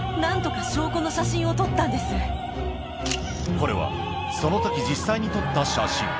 これはその時実際に撮った写真